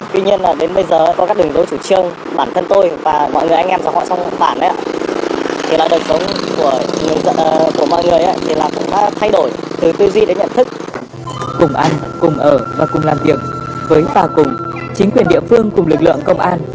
cùng ăn cùng ở và cùng làm việc với tà cùng chính quyền địa phương cùng lực lượng công an